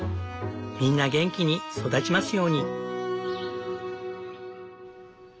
みんな元気に育ちますように。